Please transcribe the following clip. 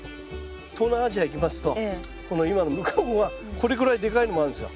東南アジアへ行きますとこの今のムカゴがこれくらいでかいのもあるんですよ。